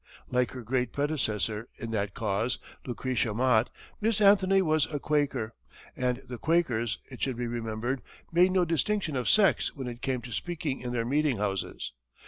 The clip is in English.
Like her great predecessor in that cause, Lucretia Mott, Miss Anthony was a Quaker, and the Quakers, it should be remembered, made no distinction of sex when it came to speaking in their meeting houses.